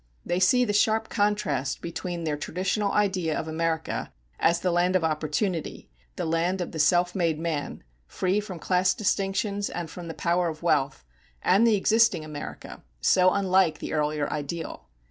They see the sharp contrast between their traditional idea of America, as the land of opportunity, the land of the self made man, free from class distinctions and from the power of wealth, and the existing America, so unlike the earlier ideal.